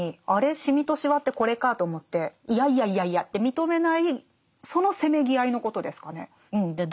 シミとシワってこれかと思っていやいやいやいやって認めないそのせめぎあいのことですかね？